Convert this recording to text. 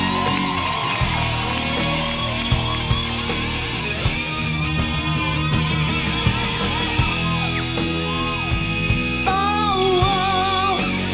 เธอไม่เคยห่วงแหง